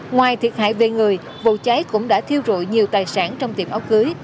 ngoài thiệt hại về người vụ cháy cũng đã thiêu rụi nhiều tài sản trong tiệm áo cưới